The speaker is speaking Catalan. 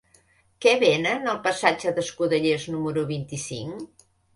Què venen al passatge d'Escudellers número vint-i-cinc?